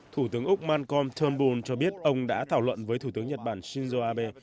thủ tướng úc malcolm turnbull cho biết ông đã thảo luận với thủ tướng nhật bản shinzo abe